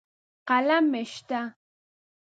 قلم مې شته.